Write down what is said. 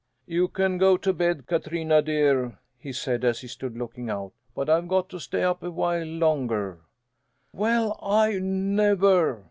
"You can go to bed, Katrina dear," he said as he stood looking out, "but I've got to stay up a while longer." "Well I never!"